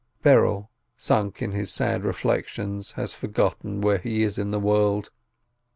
Berel, sunk in his sad reflections, has forgotten where he is in the world.